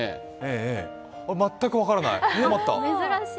全く分からない。